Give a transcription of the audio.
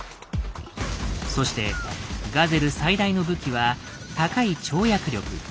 そしてガゼル最大の武器は高い跳躍力。